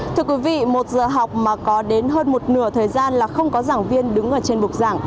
thưa quý vị một giờ học mà có đến hơn một nửa thời gian là không có giảng viên đứng ở trên bục giảng